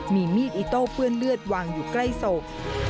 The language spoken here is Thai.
มีมีดอิโต้เปื้อนเลือดวางอยู่ใกล้ศพ